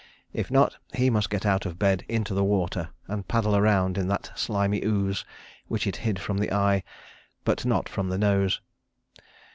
If not, he must get out of bed into the water, and paddle around in that slimy ooze which it hid from the eye but not from the nose.